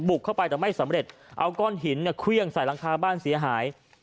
เข้าไปแต่ไม่สำเร็จเอาก้อนหินเนี่ยเครื่องใส่หลังคาบ้านเสียหาย